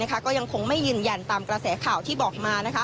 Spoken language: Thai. ก็ยังคงไม่ยืนยันตามกระแสข่าวที่บอกมา